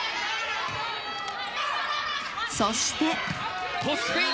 そして。